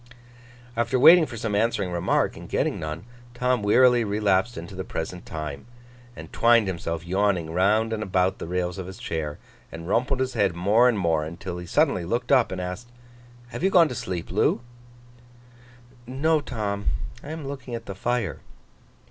After waiting for some answering remark, and getting none, Tom wearily relapsed into the present time, and twined himself yawning round and about the rails of his chair, and rumpled his head more and more, until he suddenly looked up, and asked: 'Have you gone to sleep, Loo?' 'No, Tom. I am looking at the fire.